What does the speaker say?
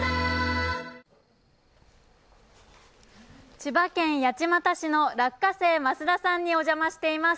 千葉県八街市の落花生ますださんにお邪魔しています。